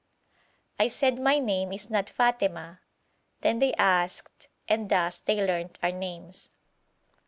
I said 'My name is not "Fàtema";' then they asked, and thus they learnt our names.